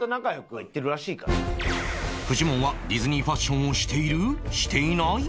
フジモンはディズニーファッションをしている？していない？